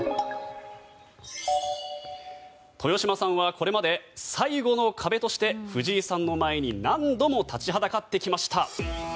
豊島さんは、これまで最後の壁として藤井さんの前に何度も立ちはだかってきました。